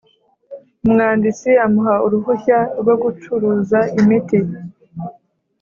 Umwanditsi amuha uruhushya rwo gucuruza imiti